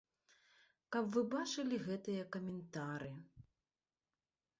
Каб вы бачылі гэтыя каментары!